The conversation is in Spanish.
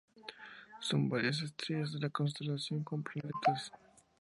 Son varias las estrellas de la constelación con planetas.